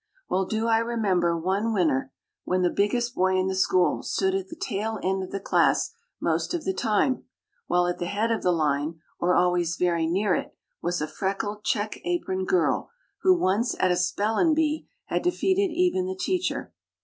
Well do I remember one Winter when the biggest boy in the school stood at the tail end of the class most of the time, while at the head of the line, or always very near it, was a freckled, check aproned girl, who once at a spellin' bee had defeated even the teacher.